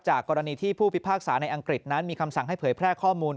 กรณีที่ผู้พิพากษาในอังกฤษนั้นมีคำสั่งให้เผยแพร่ข้อมูล